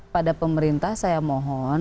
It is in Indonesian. pada pemerintah saya mohon